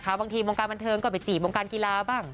บางทีวงการบันเทิงก็ไปจีบวงการกีฬาบ้าง